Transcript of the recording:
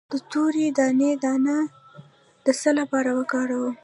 د تورې دانې دانه د څه لپاره وکاروم؟